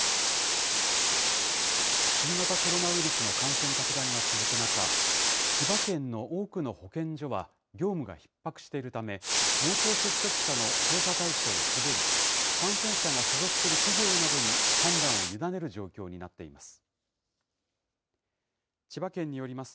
新型コロナウイルスの感染拡大が続く中、千葉県の多くの保健所は業務がひっ迫しているため、濃厚接触者の調査対象を絞り、感染者が所属する企業などに判断を委ねる状況になっています。